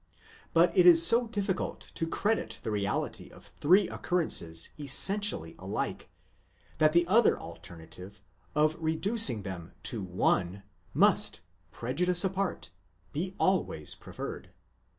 But it is so difficult to credit the reality of three occurrences essentially alike, that the other alternative, of reducing them to one, must, prejudice apart, be always pre ferred.